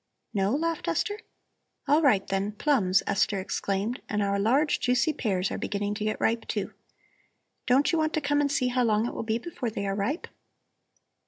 "No?" laughed Esther. "All right, then, plums," Esther exclaimed. "And our large juicy pears are beginning to get ripe, too. Don't you want to come and see how long it will be before they are ripe?"